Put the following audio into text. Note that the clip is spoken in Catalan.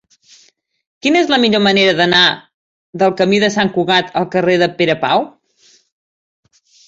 Quina és la millor manera d'anar del camí de Sant Cugat al carrer de Pere Pau?